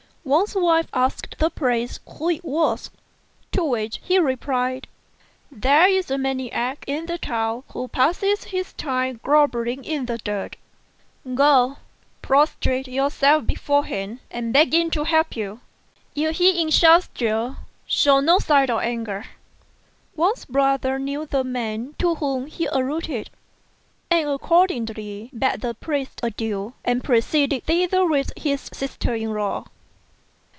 Wang's wife asked the priest who it was ; to which he replied, "There is a maniac in the town who passes his time grovelling in the dirt. Go, prostrate yourself before him, and beg him to help you. If he insults you, shew no sign of anger." Wang's brother knew the man to whom he alluded, and accord ingly bade the priest adieu, and proceeded thither with his sister in law.